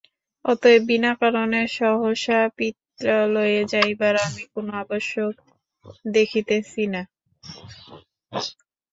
অতএব বিনা কারণে সহসা পিত্রালয়ে যাইবার আমি কোনো আবশ্যক দেখিতেছি না।